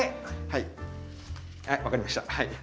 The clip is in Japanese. はい分かりました。